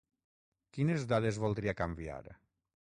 Quines dades voldria canviar?